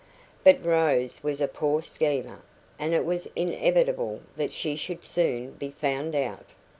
But Rose was a poor schemer, and it was inevitable that she should soon be found out.